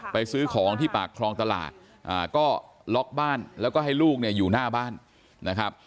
ซื้อของที่ปากคลองตลาดก็ล็อกบ้านแล้วก็ให้ลูกเนี่ยอยู่หน้าบ้านนะครับ